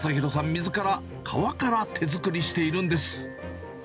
みずから皮から手作りしているんです。